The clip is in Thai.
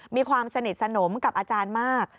มีความสนิทสนมกับอาจารย์มาก